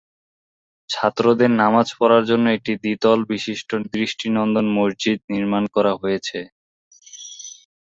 ছাত্রদের নামাজ পড়ার জন্য একটি দ্বিতল বিশিষ্ট দৃষ্টিনন্দন মসজিদ নির্মাণ করা হয়েছে।